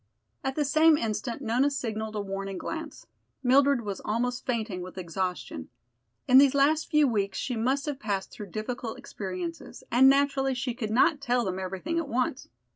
At the same instant Nona signaled a warning glance. Mildred was almost fainting with exhaustion. In these last few weeks she must have passed through difficult experiences and naturally she could not tell them everything at once.